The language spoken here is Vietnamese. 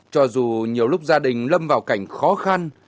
cho dù nhiều lúc gia đình lâm vào cảnh khó khăn